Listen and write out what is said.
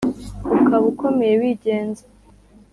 ukaba ukomeye wigenza